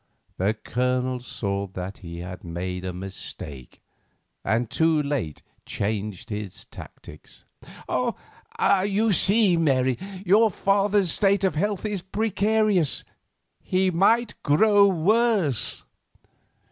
The Colonel saw that he had made a mistake, and too late changed his tactics. "You see, Mary, your father's state of health is precarious; he might grow worse."